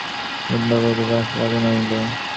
বিধবা বৌটি মালসায় আগুন আনিল।